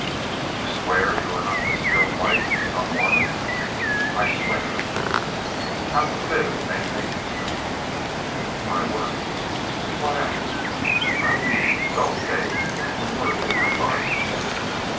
"You swear you are not the sealed wife of some Mormon?" "I swear." "How do you live maintain yourself?" "I work." "What at?" "I weave, sew, bake, and work in my garden."